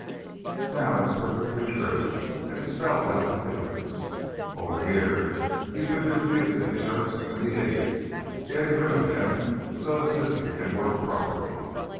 _ _Now, that's perfectly true, and it spells out the difference. Over here, you've been confusing the jerks and the idiots, getting rid of them so the system can work properly.